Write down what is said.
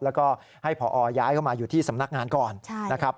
แล้วก็ให้พอย้ายเข้ามาอยู่ที่สำนักงานก่อนนะครับ